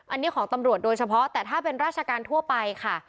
อันนี้ของตำรวจโดยเฉพาะแต่ถ้าเป็นราชการทั่วไปค่ะ